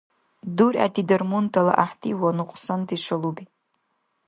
Дургӏети дармунтала гӏяхӏти ва нукьсанти шалуби